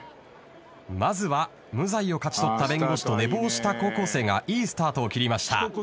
まずは無罪を勝ち取った弁護士と寝坊した高校生がいいスタートを切りました。